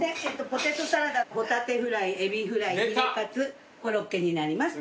ポテトサラダほたてフライエビフライヒレカツコロッケになります。